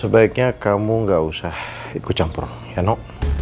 sebaiknya kamu nggak usah ikut campur ya no